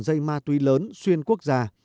dây ma túy lớn xuyên quốc gia